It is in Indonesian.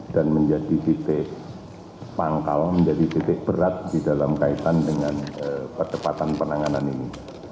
dan menjadi titik pangkal menjadi titik berat di dalam kaitan dengan percepatan penanganan ini